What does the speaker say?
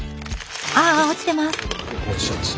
ああっ落ちてます！